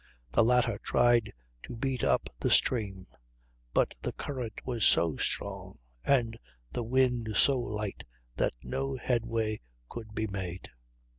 The latter tried to beat up the stream, but the current was so strong and the wind so light that no headway could be made.